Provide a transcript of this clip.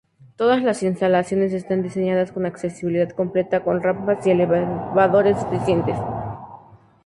Todas las instalaciones están diseñadas con accesibilidad completa con rampas y elevadores suficientes.